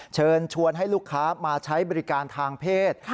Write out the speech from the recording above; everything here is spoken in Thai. เชิญชวนให้ลูกค้ามาใช้บริการทางเพศ